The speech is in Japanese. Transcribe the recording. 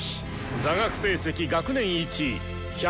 座学成績学年１位。